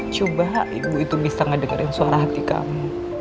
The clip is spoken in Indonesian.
coba ibu itu bisa ngedegarin suara hati kamu